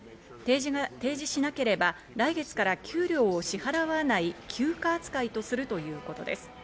提示しなければ来月から給料を支払わない休暇扱いとするということです。